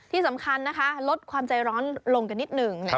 ที่สำคัญนะคะลดความใจร้อนลงกันนิดหนึ่ง